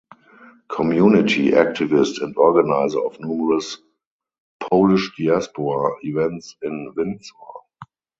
Community activist and organiser of numerous Polish diaspora events in Windsor.